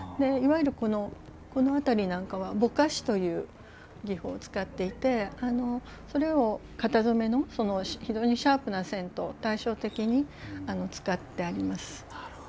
いわゆるこの辺りなんかはぼかしという技法を使っていてそれを型染めの非常にシャープな線と対照的に使ってあります。